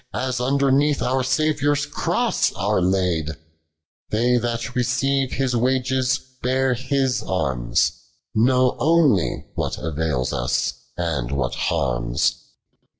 As underneath our Saviour s cross are laid : They that receive His wages, bear His arms, Know onely what avails us, and what harms.